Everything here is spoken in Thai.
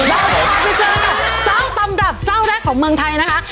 อ้าวสวัสดีค่ะมาเจอกันกับเจ้าตำรับเจ้าแรกของเมืองไทยนะคะ